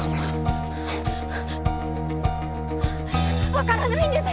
わからないんです。